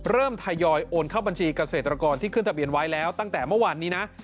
ทยอยโอนเข้าบัญชีเกษตรกรที่ขึ้นทะเบียนไว้แล้วตั้งแต่เมื่อวานนี้นะ